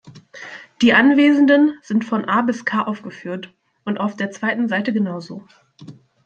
Die Anwesenden sind von A bis K aufgeführt, und auf der zweiten Seite genauso.